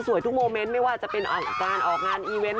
ทุกโมเมนต์ไม่ว่าจะเป็นการออกงานอีเวนต์